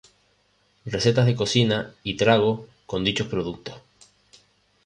Recetas de cocina y tragos con dichos productos.